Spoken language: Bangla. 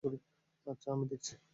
আচ্ছা - আমি দেখছি।